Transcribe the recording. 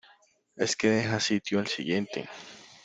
es que deja sitio al siguiente.